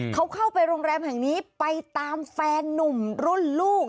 เขาเข้าไปโรงแรมแห่งนี้ไปตามแฟนนุ่มรุ่นลูก